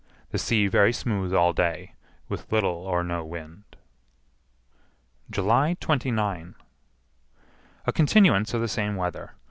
The sea very smooth all day, with little or no wind. July 29. A continuance of the same weather.